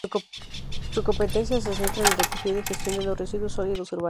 Su competencia se centra en la recogida y gestión de los residuos sólidos urbanos.